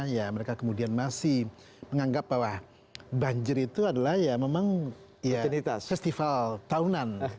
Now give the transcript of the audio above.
ya mereka kemudian masih menganggap bahwa banjir itu adalah ya memang festival tahunan